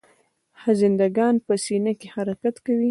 خزنده ګان په سینه حرکت کوي